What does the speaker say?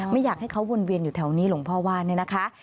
ไม่อยากให้เขาวนเวียนอยู่แถวนี้หลวงพ่อว่านี่นะคะ